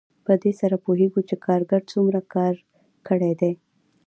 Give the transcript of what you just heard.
په دې سره پوهېږو چې کارګر څومره کار کړی دی